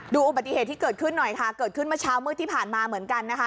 อุบัติเหตุที่เกิดขึ้นหน่อยค่ะเกิดขึ้นเมื่อเช้ามืดที่ผ่านมาเหมือนกันนะคะ